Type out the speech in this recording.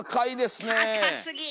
高すぎる。